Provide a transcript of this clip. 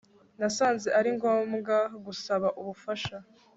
Nasanze ari ngombwa gusaba ubufasha